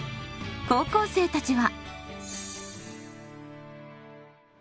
高校生たちは。